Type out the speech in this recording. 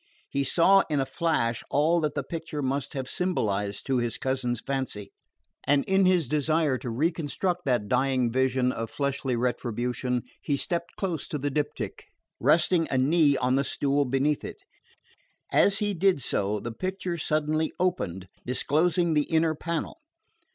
He saw in a flash all that the picture must have symbolised to his cousin's fancy; and in his desire to reconstruct that dying vision of fleshly retribution, he stepped close to the diptych, resting a knee on the stool beneath it. As he did so, the picture suddenly opened, disclosing the inner panel.